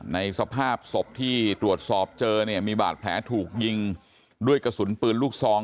ในสภาพศพที่ตรวจสอบเจอเนี่ยมีบาดแผลถูกยิงด้วยกระสุนปืนลูกซอง